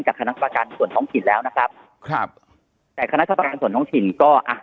คณะประกันส่วนท้องถิ่นแล้วนะครับครับแต่คณะกรรมการส่วนท้องถิ่นก็อ่ะ